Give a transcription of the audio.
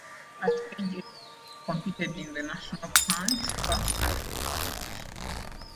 At age eight, he competed in the National Punt, Pass and Kick Competition.